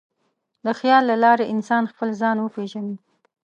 د خیال له لارې انسان خپل ځان وپېژني.